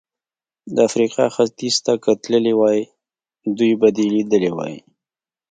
د افریقا ختیځ ته که تللی وای، دوی به دې لیدلي وای.